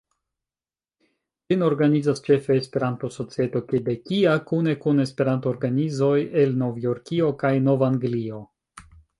Ĝin organizas ĉefe Esperanto-societo kebekia, kune kun esperanto-organizoj el Novjorkio kaj Nov-Anglio.